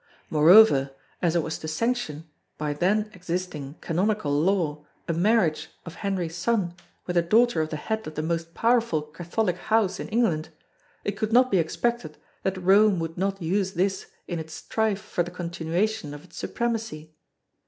Moreover, as it was to sanction by then existing canonical law a marriage of Henry's son with a daughter of the head of the most powerful Catholic House in England, it could not be expected that Rome would not use this in its strife for the continuation of its supremacy.